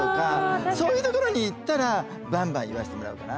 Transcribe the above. そういう所に行ったらバンバン言わせてもらおうかな。